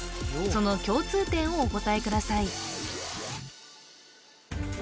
その共通点をお答えください